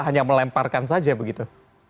hanya melemparkan saja begitu